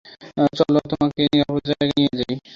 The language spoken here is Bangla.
চলো তোমাকে নিরাপদ জায়গায় নিয়ে যাই।